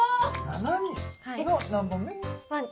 ７人の何番目？